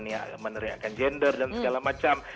yang meneriakan gender dan segala macam